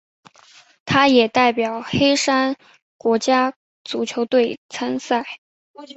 他也代表黑山国家足球队参赛。